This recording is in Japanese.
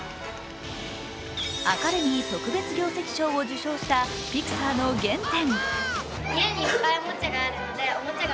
アカデミー特別業績賞を受賞したピクサーの原点。